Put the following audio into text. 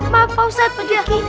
maaf pak ustadz pak juki